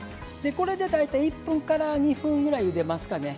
これで大体１分から２分ぐらいゆでますかね。